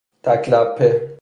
تک لپه